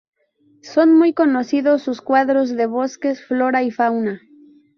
Son muy conocidos sus cuadros de bosques, flora y fauna.